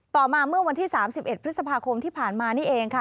ต่อมาเมื่อวันที่๓๑พฤษภาคมที่ผ่านมานี่เองค่ะ